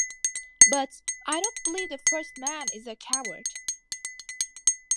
But I don’t believe the first man is a coward.